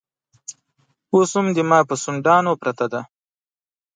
اوس هم زما پر شونډو پرته ده